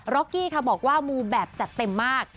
็อกกี้ค่ะบอกว่ามูแบบจัดเต็มมาก